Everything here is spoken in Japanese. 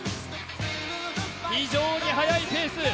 非常に速いペース。